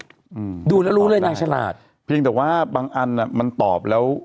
อืมดูแล้วรู้เลยนางฉลาดเพียงแต่ว่าบางอันอ่ะมันตอบแล้ว